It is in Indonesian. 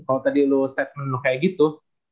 kalau tadi lu statement kayak gitu